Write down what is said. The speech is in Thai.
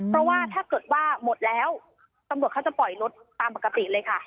เพราะว่าถ้าเกิดว่าหมดแล้วตำรวจเขาจะปล่อยรถตามปกติเลยค่ะ